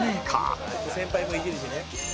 「先輩もイジるしね」